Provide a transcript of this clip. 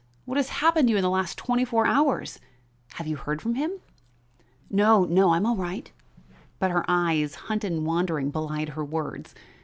What has happened to you in the last twenty four hours? Have you heard from him?" "No, no; I'm all right." But her eyes, hunted and wandering, belied her words.